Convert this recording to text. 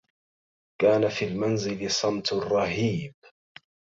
كان في المنزل صمت رهيب.